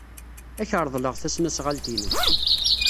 Ad ak-reḍleɣ tasnasɣalt-inu.